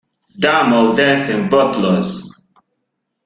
Damn all dancing butlers!